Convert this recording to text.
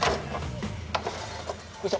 よいしょ。